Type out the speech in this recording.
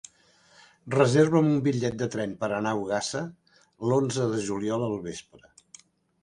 Reserva'm un bitllet de tren per anar a Ogassa l'onze de juliol al vespre.